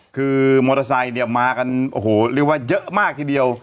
คือมอเตอร์ไซค์เนี่ยมากันโอ้โหเรียกว่าเยอะมากทีเดียว